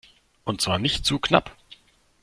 Und zwar nicht zu knapp!